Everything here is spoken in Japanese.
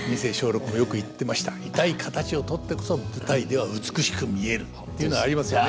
「痛い形をとってこそ舞台では美しく見える」っていうのありますよね。